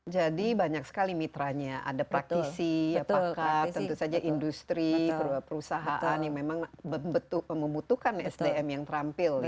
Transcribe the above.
jadi banyak sekali mitranya ada praktisi pakar tentu saja industri perusahaan yang memang membutuhkan sdm yang terampil